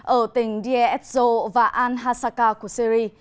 ở tỉnh diazzo và al hasakah của syri